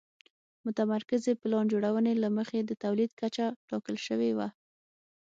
متمرکزې پلان جوړونې له مخې د تولید کچه ټاکل شوې وه.